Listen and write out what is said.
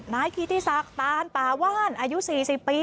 น้ายคีทศักดิ์ตานปาว่านอายุสี่สิบปี